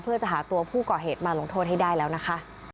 เพื่อจะหาตัวผู้ก่อเหตุมาลงโทษให้ได้แล้วนะคะ